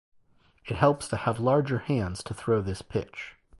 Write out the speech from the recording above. It helps to have larger hands to throw this pitch.